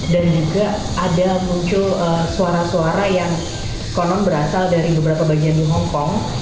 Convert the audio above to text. juga ada muncul suara suara yang konon berasal dari beberapa bagian di hongkong